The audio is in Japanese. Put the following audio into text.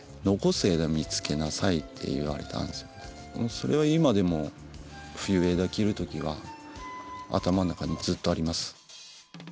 それは今でも冬枝切るときは頭の中にずっとあります。